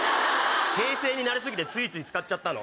平成に慣れ過ぎてついつい使っちゃったの。